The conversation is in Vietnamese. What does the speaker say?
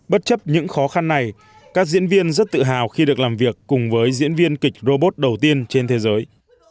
bất chấp những khó khăn này các diễn viên rất tự hào khi được làm việc cùng với diễn viên kịch robot đầu tiên trên thế giới